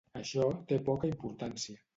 Això té poca importància.